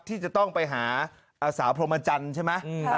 ที่จะต้องไปหาสาวพรหมจันทร์ใช่ไหม